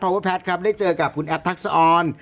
เพราะว่าแพทย์ครับได้เจอกับคุณแอฟทักษะออน